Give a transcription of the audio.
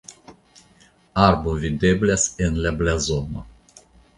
Arbo videblas en la blazono.